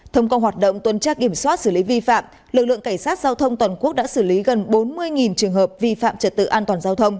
thông công hoạt động tuân trác kiểm soát xử lý vi phạm lực lượng cảnh sát giao thông toàn quốc đã xử lý gần bốn mươi trường hợp vi phạm trật tự an toàn giao thông